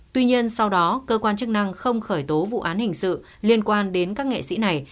tuy nhiên sau đó cơ quan chức năng không khởi tố vụ án hình sự liên quan đến các nghệ sĩ này